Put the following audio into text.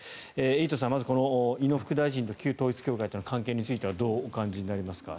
エイトさん、まず井野副大臣と旧統一教会との関係はどうお感じになりますか？